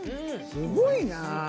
すごいな！